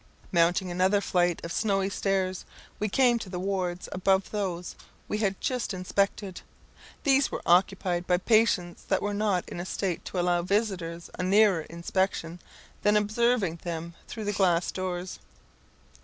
Mounting another flight of snowy stairs, we came to the wards above those we had just inspected. These were occupied by patients that were not in a state to allow visitors a nearer inspection than observing them through the glass doors.